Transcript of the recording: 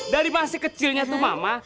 dari masih kecilnya itu mama